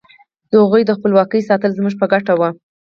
د هغوی د خپلواکۍ ساتل زموږ په ګټه وو.